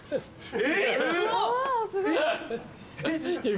えっ？